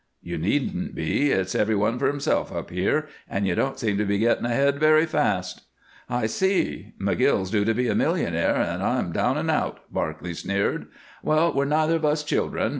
"You needn't be. It's every one for himself up here, and you don't seem to be getting ahead very fast." "I see. McGill's due to be a millionaire, and I'm down and out," Barclay sneered. "Well, we're neither of us children.